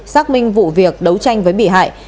xác minh vụ việc đấu tranh với bị hại